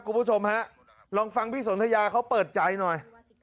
คุณผู้ชมฮะลองฟังพี่สนทยาเขาเปิดใจหน่อย